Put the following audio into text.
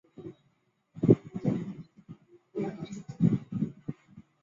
协议直到月底并无进展。